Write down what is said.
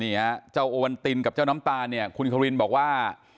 นี่ฮะเจ้าโอวันตินกับเจ้าน้ำตาลเนี่ยคุณควินบอกว่า